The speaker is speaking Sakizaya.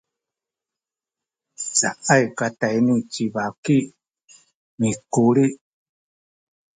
caay katayni ci baki ni Kuli.